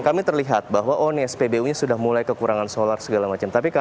keterlambatan solar di jatim merupakan persoalan berbeda